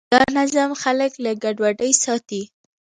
دا نظم خلک له ګډوډۍ ساتي.